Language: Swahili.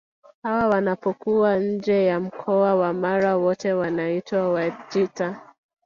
Hawa wanapokuwa nje ya mkoa wa Mara wote wanaitwa Wajita